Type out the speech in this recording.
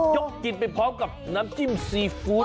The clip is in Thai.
กินไปพร้อมกับน้ำจิ้มซีฟู้ด